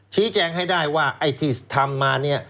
ชี้แจงให้ได้ว่าไอ้ที่ทำมาเนี่ย